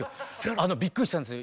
あのびっくりしたんですよ